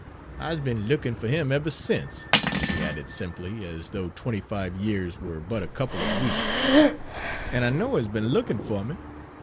"I's be'n lookin' fer 'im eber sence," she added simply, as though twenty five years were but a couple of weeks, "an' I knows he 's be'n lookin' fer me.